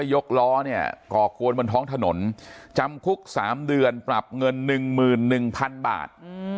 ยกล้อเนี่ยก่อกวนบนท้องถนนจำคุก๓เดือนปรับเงิน๑๑๐๐๐บาท